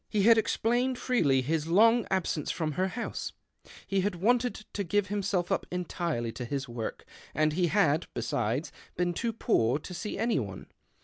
He had exphiined freely his long absence from her house — he had wanted to give himself up entirely to his work ; and lie had, besides, been too poor to see any one.